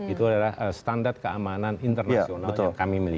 itu adalah standar keamanan internasional yang kami miliki